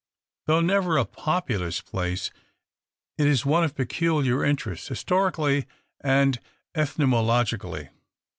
Though never a populous place, it is one of peculiar interest, historically and ethnologically.